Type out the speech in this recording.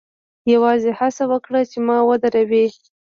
یوازې هڅه وکړه چې ما ودروې